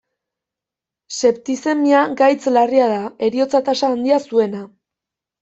Septizemia gaitz larria da, heriotza-tasa handia zuena.